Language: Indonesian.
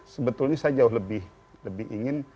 sebetulnya saya jauh lebih ingin